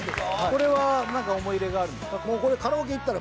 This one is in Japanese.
これは何か思い入れがあるんですか？